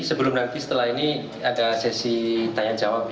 sebelum nanti setelah ini ada sesi tanya jawab